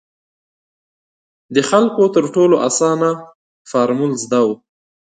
خلکو تر ټولو اسانه فارمول زده وو.